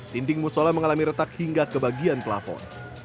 dinding musola mengalami retak hingga ke bagian pelafon